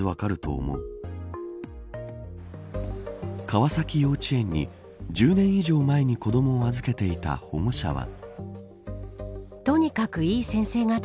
川崎幼稚園に１０年以上前に子どもを預けていた保護者は。